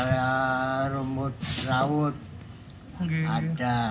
udara rumput laut ada